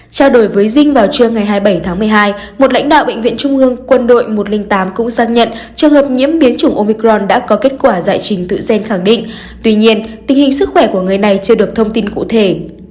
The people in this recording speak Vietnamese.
trao đổi với dinh vào trưa ngày hai mươi bảy tháng một mươi hai một lãnh đạo bệnh viện trung ương quân đội một trăm linh tám cũng xác nhận trường hợp nhiễm biến chủng omicron đã có kết quả giải trình tự gen khẳng định tuy nhiên tình hình sức khỏe của người này chưa được thông tin cụ thể